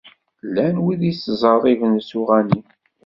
Llan wid yettzerriben s uɣanim.